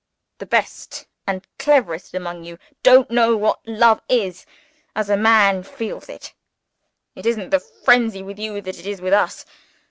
The best and cleverest among you don't know what love is as a man feels it. It isn't the frenzy with You that it is with Us.